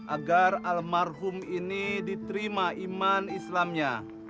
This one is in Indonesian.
agar almarhum ini diterima iman islamnya